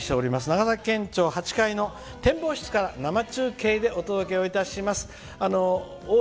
長崎県庁８階の展望室から生中継でお届けします。